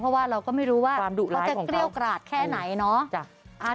เพราะว่าเราก็ไม่รู้ว่าเขาจะเกรี้ยวกราดแค่ไหนเนาะ